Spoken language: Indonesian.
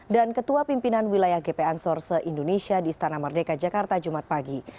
dan ketua pimpinan wilayah gp ansor se indonesia di istana merdeka jakarta jumat pagi